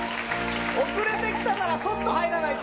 遅れてきたなら、そっと入らないと。